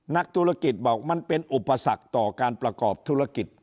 นักธุรกิจบอกมันเป็นอุปสรรคต่อการประกอบธุรกิจ